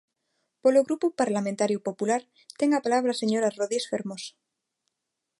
Polo Grupo Parlamentario Popular, ten a palabra a señora Rodís Fermoso.